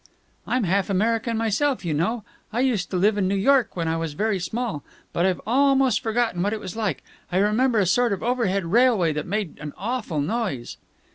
"I'm half American myself, you know. I used to live in New York when I was very small, but I've almost forgotten what it was like. I remember a sort of overhead railway that made an awful noise...."